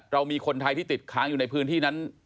เรามีคนไทยที่ติดค้างอยู่ในพื้นที่นั้น